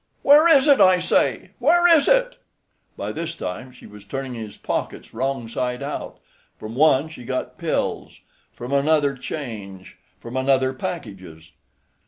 "Where is it, I say? where is it?" By this time she was turning his pockets wrong side out. From one she got pills, from another change, from another packages.